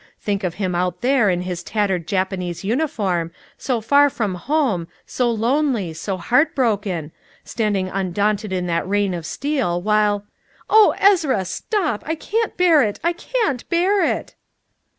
Think of him out there, in his tattered Japanese uniform so far from home, so lonely, so heartbroken standing undaunted in that rain of steel, while " "Oh, Ezra, stop! I can't bear it! I can't bear it!"